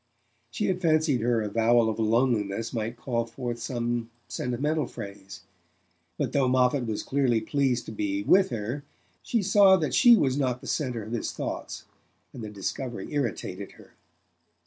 She had fancied her avowal of loneliness might call forth some sentimental phrase; but though Moffatt was clearly pleased to be with her she saw that she was not the centre of his thoughts, and the discovery irritated her.